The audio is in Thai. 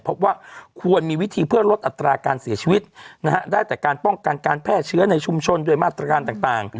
พบว่าควรมีวิธีเพื่อลดอัตราการเสียชีวิตนะฮะได้แต่การป้องกันการแพร่เชื้อในชุมชนด้วยมาตรการต่าง